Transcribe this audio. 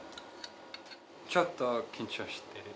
ちょっと緊張してる。